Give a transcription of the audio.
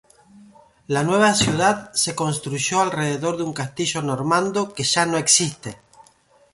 La nueva ciudad se construyó alrededor de un castillo normando, que ya no existe.